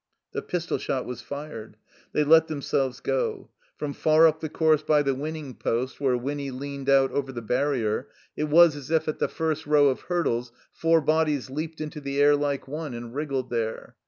The pistol shot was fired. They let themselves go. From far up the course by the winziing poGt, 96 THE COMBINED MAZE where Winny leaned out over the barrier, it was as if at the first row of hurdles four bodies leaped into the air like one and wriggled there.